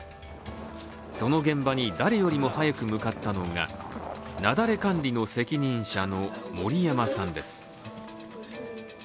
その現場に誰よりも早く向かったのが雪崩管理の責任者の森山さんです。